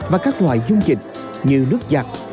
ngoài dung dịch như nước giặt